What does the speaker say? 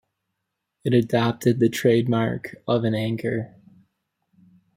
It adopted the trademark of an anchor.